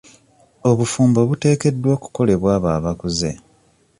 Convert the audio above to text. Obufumbo buteekeddwa kukolebwa abo abakuze.